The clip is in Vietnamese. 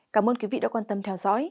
cảm ơn quý vị đã quan tâm theo dõi